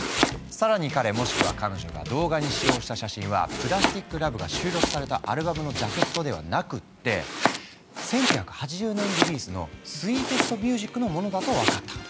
更に彼もしくは彼女が動画に使用した写真は「ＰＬＡＳＴＩＣＬＯＶＥ」が収録されたアルバムのジャケットではなくって１９８０年リリースの「ＳＷＥＥＴＥＳＴＭＵＳＩＣ」のものだと分かった。